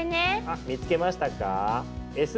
あ見つけましたか？